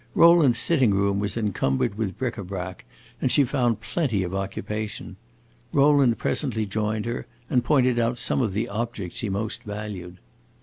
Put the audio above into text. Rowland's sitting room was encumbered with bric a brac, and she found plenty of occupation. Rowland presently joined her, and pointed out some of the objects he most valued.